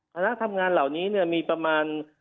ธนาคารทำงานเหล่านี้เนี่ยมีประมาณ